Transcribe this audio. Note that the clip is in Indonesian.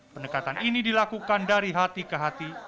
pendekatan ini dilakukan dari hati ke hati